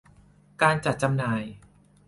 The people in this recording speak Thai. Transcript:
การจัดจำหน่าย